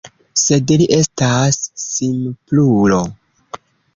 Sed li estas simplulo.